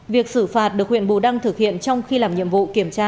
việc xử phạt được huyện bù đăng thực hiện trong khi làm nhiệm vụ kiểm tra